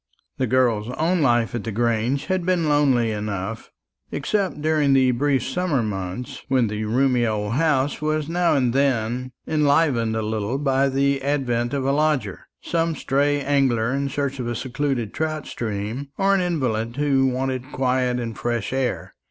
The girl's own life at the Grange had been lonely enough, except during the brief summer months, when the roomy old house was now and then enlivened a little by the advent of a lodger, some stray angler in search of a secluded trout stream, or an invalid who wanted quiet and fresh air.